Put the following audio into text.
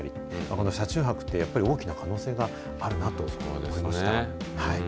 この車中泊っていうのは、やっぱり大きな可能性があるなと思いました。